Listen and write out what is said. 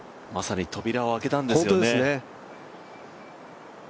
まさに扉を開けたんですよね。